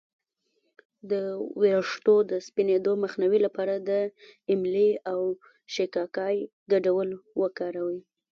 د ویښتو د سپینیدو مخنیوي لپاره د املې او شیکاکای ګډول وکاروئ